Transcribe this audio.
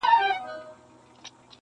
دودونه ژوند توره څېره کوي تل،